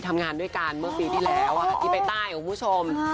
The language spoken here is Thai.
ทำงานด้วยกันเมื่อปีที่แล้วที่ไปใต้คุณผู้ชม